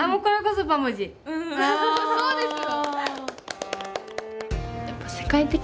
そうですよ！